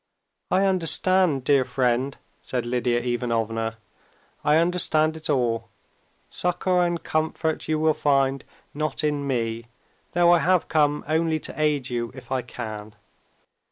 "I understand, dear friend," said Lidia Ivanovna. "I understand it all. Succor and comfort you will find not in me, though I have come only to aid you if I can.